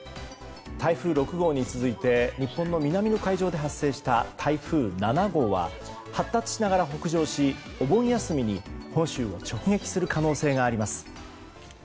台風６号に続いて日本の南の海上で発生した台風７号は発達しながら北上しお盆休みに本州を直撃する可能性があります。